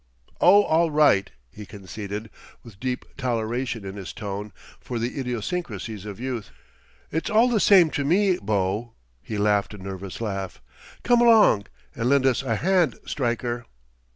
"Oh, all right," he conceded with deep toleration in his tone for the idiosyncrasies of youth. "It's all the same to me, beau." He laughed a nervous laugh. "Come along and lend us a hand, Stryker."